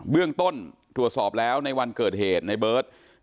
เรื่องต้นตรวจสอบแล้วในวันเกิดเหตุในเบิร์ต